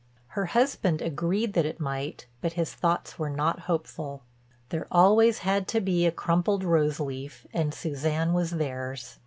Her husband agreed that it might but his thoughts were not hopeful. There always had to be a crumpled rose leaf and Suzanne was theirs.